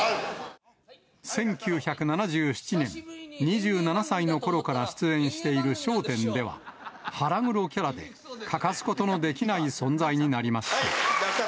１９７７年、２７歳のころから出演している笑点では、腹黒キャラで欠かすことのできない存在になりました。